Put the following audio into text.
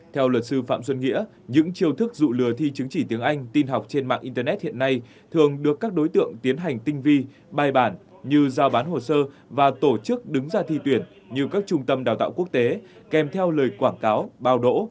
theo luật sư phạm xuân nghĩa những chiêu thức dụ lừa thi chứng chỉ tiếng anh tin học trên mạng internet hiện nay thường được các đối tượng tiến hành tinh vi bài bản như giao bán hồ sơ và tổ chức đứng ra thi tuyển như các trung tâm đào tạo quốc tế kèm theo lời quảng cáo bao đỗ